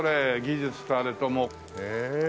技術とあれともうええ。